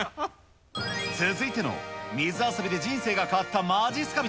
続いての水遊びで人生が変わったまじっすか